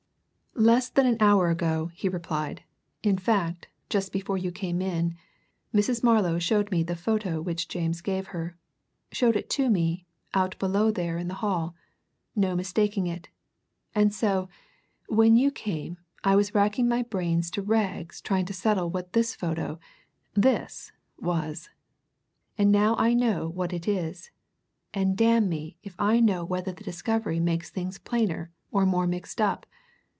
"Less than an hour ago," he replied, "in fact, just before you came in, Mrs. Marlow showed me the photo which James gave her showed it to me, out below there in the hall. No mistaking it! And so when you came, I was racking my brains to rags trying to settle what this photo this! was. And now I know what it is and damn me if I know whether the discovery makes things plainer or more mixed up!